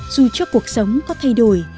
dù cho cuộc sống có thay đổi